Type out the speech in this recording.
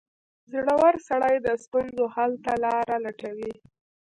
• زړور سړی د ستونزو حل ته لاره لټوي.